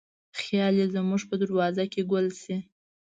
خیال یې زموږ په دروازه کې ګل شي